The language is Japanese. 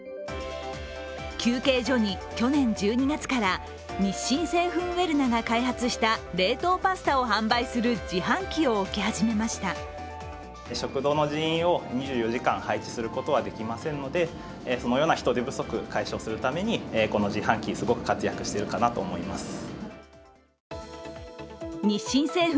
休憩所に去年１２月から日清製粉ウェルナが開発した冷凍パスタを販売する自販機を置き始めました日清製粉